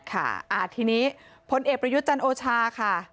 ค่ะทีนี้พลเอกประยุทธ์จันโอชาค่ะ